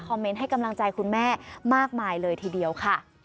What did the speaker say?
เมนต์ให้กำลังใจคุณแม่มากมายเลยทีเดียวค่ะ